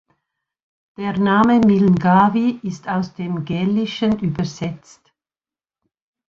Der Name Milngavie ist aus dem Gälischen übersetzt.